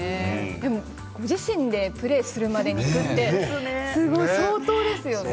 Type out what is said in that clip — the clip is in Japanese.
でもご自身でプレーするまでいくってすごい相当ですよね。